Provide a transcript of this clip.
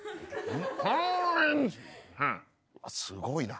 すごいな。